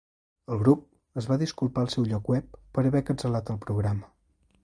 El grup es va disculpar al seu lloc web per haver cancel·lat el programa.